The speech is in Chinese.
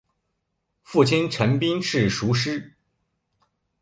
父亲陈彬是塾师。